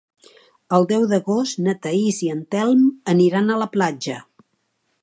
El deu d'agost na Thaís i en Telm aniran a la platja.